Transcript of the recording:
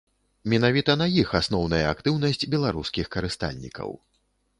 Менавіта на іх асноўная актыўнасць беларускіх карыстальнікаў.